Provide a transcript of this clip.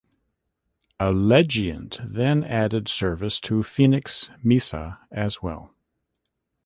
Allegiant then added service to Phoenix-Mesa as well.